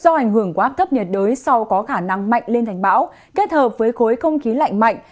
do ảnh hưởng của áp thấp nhiệt đới sau có khả năng mạnh lên thành bão kết hợp với khối không khí lạnh mạnh